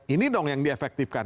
ini dong yang diefektifkan